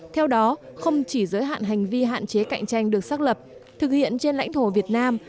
theo đó không chỉ giới hạn hành vi hạn chế cạnh tranh được xác lập thực hiện trên lãnh thổ việt nam